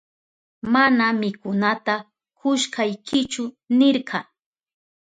Mana mikunata kushkaykichu nirka.